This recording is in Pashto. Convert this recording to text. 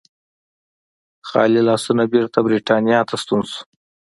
خالي لاس بېرته برېټانیا ته ستون شو.